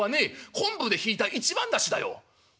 「昆布でひいた一番だし？